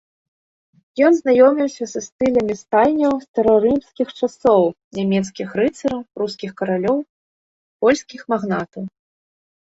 Ён знаёміўся са стылямі стайняў старарымскіх часоў, нямецкіх рыцараў, прускіх каралёў, польскіх магнатаў.